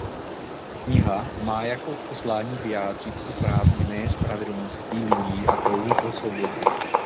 Kniha má jako poslání vyjádřit oprávněné spravedlnosti lidí a touhu po svobodě.